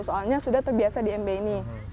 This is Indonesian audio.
soalnya sudah terbiasa di mb ini